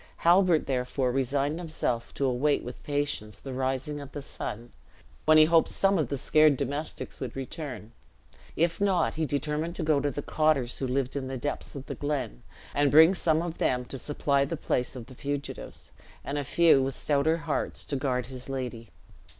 Halbert, therefore, resigned himself to await with patience the rising of the sun, when he hoped some of the scared domestics would return; if not, he determined to go to the cotters who lived in the depths of the glen, and bring some of them to supply the place of the fugitives; and a few, with stouter hearts, to guard his lady.